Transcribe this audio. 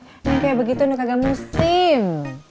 apa ini kayak begitu nggak kagak musim